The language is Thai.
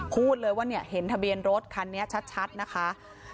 พูดเลยว่าเนี่ยเห็นทะเบียนรถคันนี้ชัดนะคะ